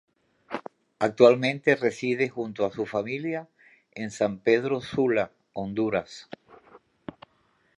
Actualmente reside junto a su familia en San Pedro Sula, Honduras.